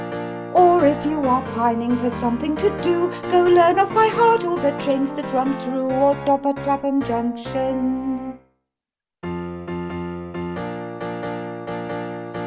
Or if you are pining for something to do, Go, learn off by heart all the trains that run through Or stop at Clappum Junction.